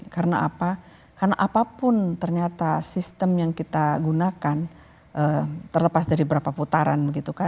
karena apa karena apapun ternyata sistem yang kita gunakan terlepas dari berapa putaran